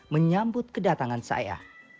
lagi dan lagi dan lagi